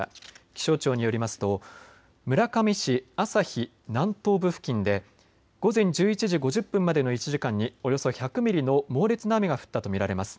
気象庁によりますと村上市朝日南東部付近で午前１１時５０分までの１時間におよそ１００ミリの猛烈な雨が降ったと見られます。